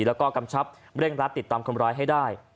แล้วก็กำชับเร่งรัดติดตามคนร้ายให้ได้